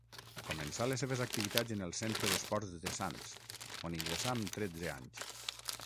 Començà les seves activitats en el Centre d'Esports de Sants, on ingressà amb tretze anys.